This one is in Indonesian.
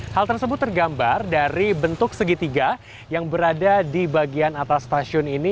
hal tersebut tergambar dari bentuk segitiga yang berada di bagian atas stasiun ini